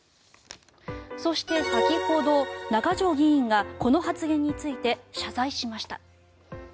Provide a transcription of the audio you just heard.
そして先ほど、中条議員がこの発言について謝罪しました。